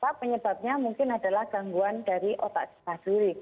maka penyebabnya mungkin adalah gangguan dari otak jelah diri